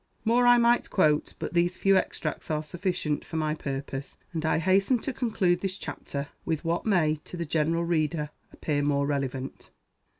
More I might quote; but these few extracts are sufficient for my purpose; and I hasten to conclude this chapter with what may to the general reader appear more relevant.